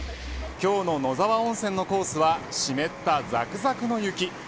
今日の野沢温泉のコースは湿ったざくざくの雪。